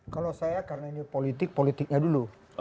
kalau saya karena ini politik politiknya dulu